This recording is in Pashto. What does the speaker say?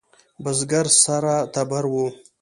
بزگر سره تبر و.